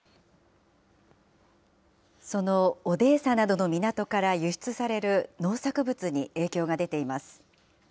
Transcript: そのオデーサなどの港から輸出される農作物に影響が出ています。